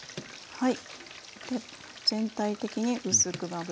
はい。